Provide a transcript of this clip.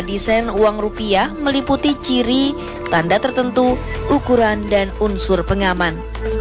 desain uang rupiah meliputi ciri tanda tertentu ukuran dan unsur pengaman